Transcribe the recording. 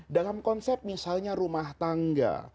dalam konsep misalnya rumah tangga